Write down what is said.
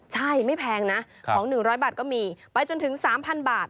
ใช่ไม่แพงนะของ๑๐๐บาทก็มีไปจนถึง๓๐๐บาท